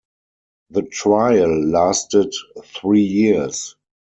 The trial lasted three years.